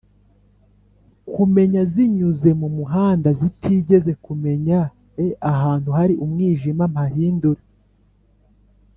kumenya nzinyuze mu muhanda zitigeze kumenya e ahantu hari umwijima mpahindure